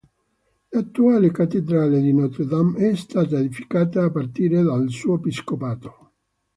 L'attuale cattedrale di Notre-Dame è stata edificata a partire dal suo episcopato.